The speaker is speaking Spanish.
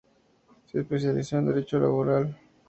Se especializó en Derecho laboral.